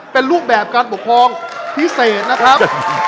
เป็นรูปแบบการปกครองพิเศษนะครับ